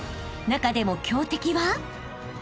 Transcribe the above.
［中でも強敵は］